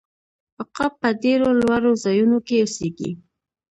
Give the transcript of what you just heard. عقاب په ډیرو لوړو ځایونو کې اوسیږي